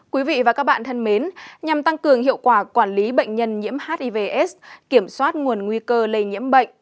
quý vị và các bạn thân mến nhằm tăng cường hiệu quả quản lý bệnh nhân nhiễm hivs kiểm soát nguồn nguy cơ lây nhiễm bệnh